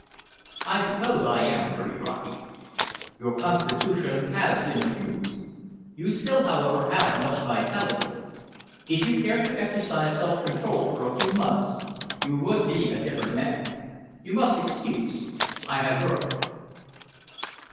"I suppose I am pretty rocky?" "Your constitution has been abused. You still, however, have much vitality. If you cared to exercise self control for a few months, you would be a different man. You must excuse. I have work."